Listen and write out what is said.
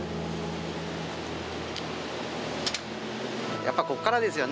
やっぱこっからですよね